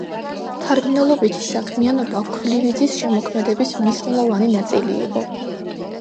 მთარგმნელობითი საქმიანობა ქვლივიძის შემოქმედების მნიშვნელოვანი ნაწილი იყო.